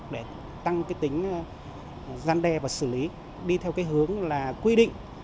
để tăng tính gian đe và xử lý đi theo hướng là quy định